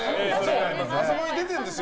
あそこに出てるですよ。